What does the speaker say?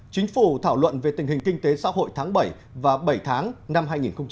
chính phủ thảo luận về tình hình kinh tế xã hội tháng bảy và bảy tháng năm hai nghìn một mươi chín